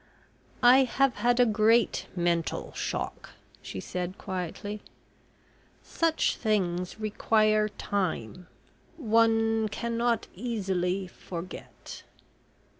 "I have had a great mental shock," she said, quietly. "Such things require time... one cannot easily forget..."